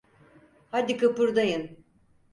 Hadi, kıpırdayın!